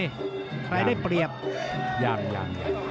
ย่ำย่ำย่ำ